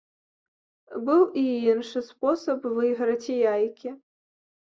Быў і іншы спосаб выйграць яйкі.